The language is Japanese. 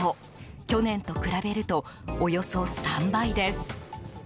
去年と比べるとおよそ３倍です。